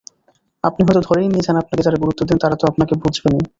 আপনি হয়তো ধরেই নিয়েছেন, আপনাকে যারা গুরুত্ব দেন তাঁরা তো আপনাকে বুঝবেনই।